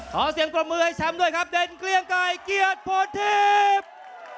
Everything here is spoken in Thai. ขอเสียงปรบมือให้แชมป์ด้วยครับเด่นเกลียงไก่เกียรติโพทิพย์